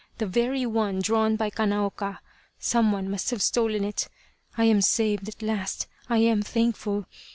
The very one drawn by Kanaoka. Someone must have stolen it. I am saved at last I am thankful.